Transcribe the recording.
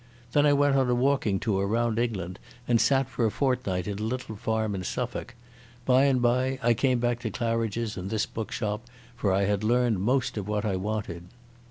Then I went on a walking tour round England and sat for a fortnight in a little farm in Suffolk. By and by I came back to Claridge's and this bookshop, for I had learned most of what I wanted.